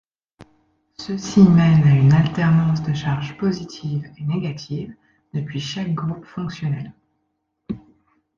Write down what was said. Ceci mène à une alternance de charges positives et négatives depuis chaque groupe fonctionnel.